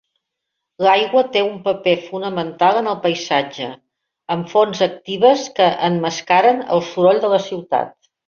L'aigua té un paper fonamental en el paisatge, amb fonts actives que emmascaren el soroll de la ciutat.